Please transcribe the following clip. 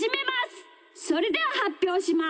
それでははっぴょうします。